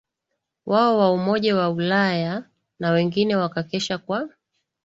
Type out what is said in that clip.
wao wa Umoja wa Ulaya na wengine wakakesha kwa